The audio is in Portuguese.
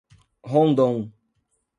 Rondon